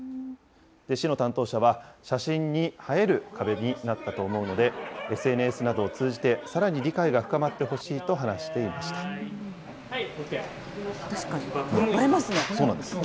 市の担当者は、写真に映える壁になったと思うので、ＳＮＳなどを通じて、さらに理解が深まってほしいと話してい確かに。映えますね。